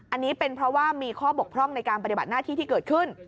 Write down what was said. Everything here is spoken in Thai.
อันนี้เป็นเพราะว่ามีข้อบกพร่องในการปฏิบัติหน้าที่ที่เกิดขึ้น